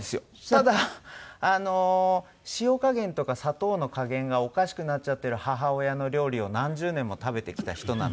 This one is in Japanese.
ただあの塩加減とか砂糖の加減がおかしくなっちゃってる母親の料理を何十年も食べてきた人なので。